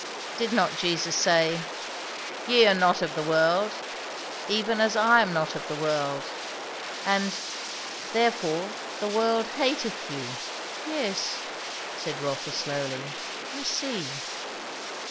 "Did not Jesus say? 'Ye are not of the world, even as I am not of the world.' And 'Therefore the world hateth you.'" "Yes, " said Rotha slowly "I see."